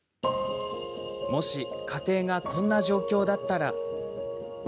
もし、家庭がこんな状況だったら。